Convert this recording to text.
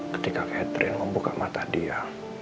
ketika catherine membuka mata dia